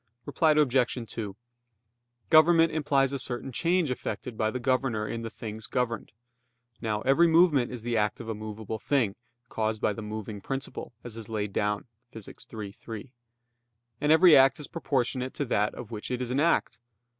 Reply Obj. 2: Government implies a certain change effected by the governor in the things governed. Now every movement is the act of a movable thing, caused by the moving principle, as is laid down Phys. iii, 3. And every act is proportionate to that of which it is an act.